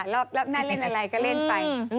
รอบหน้าเล่นอะไรก็เล่นไป